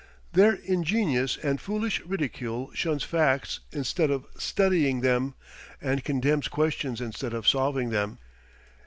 Their ingenious and foolish ridicule shuns facts instead of studying them, and condemns questions instead of solving them.